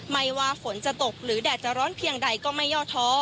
ไม่ว่าฝนจะตกหรือแดดจะร้อนเพียงใดก็ไม่ย่อท้อ